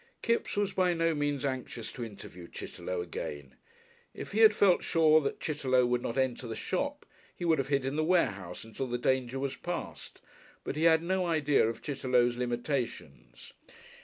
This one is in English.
Kipps was by no means anxious to interview Chitterlow again. If he had felt sure that Chitterlow would not enter the shop he would have hid in the warehouse until the danger was past, but he had no idea of Chitterlow's limitations.